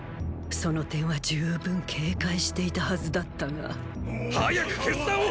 その点は十分警戒していたはずだったが早く決断を！